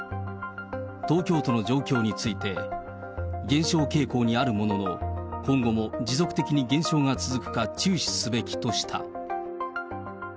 東京都の状況について、減少傾向にあるものの、今後も持続的に減少が続くか注視すべきとした。